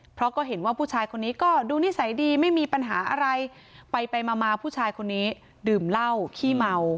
เพราะก็เห็นว่าผู้ชายคนนี้ก็ดูนิสัยดีไม่มีปัญหาอะไรไปไปมามาผู้ชายคนนี้ดื่มเหล้าขี้เมา